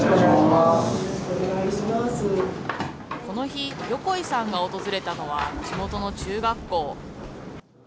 この日、横井さんが訪れたのは、地元の中学校。